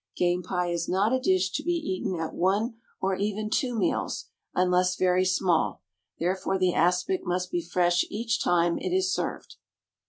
Game pie is not a dish to be eaten at one or even two meals (unless very small), therefore the aspic must be fresh each time it is served.